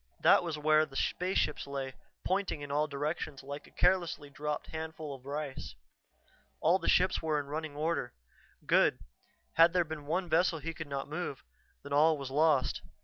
That was where the spaceships lay, pointing in all directions like a carelessly dropped handful of rice. All the ships were in running order. Good; had there been one vessel he could not move, then all was lost.